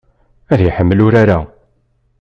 Ad iḥemmel urar-a.